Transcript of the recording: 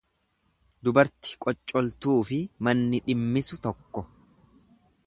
Dubarti qoccoltuufi manni dhimmisu tokko.